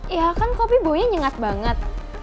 ya kan kopi baunya nyengat banget